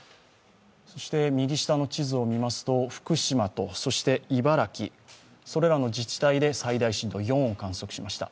そして右下の地図を見ますと、福島と茨城、それらの自治体で最大震度４を観測しました。